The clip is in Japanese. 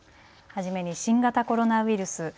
はじめに新型コロナウイルス。